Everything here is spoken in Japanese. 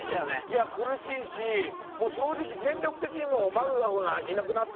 いや苦しいし正直戦力的にもマクガフがいなくなったぐらいで。